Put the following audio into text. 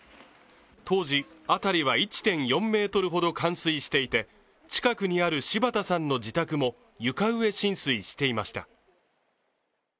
当時、辺りは１．４メートルほど冠水していて近くにある柴田さんの自宅も床上浸水していました。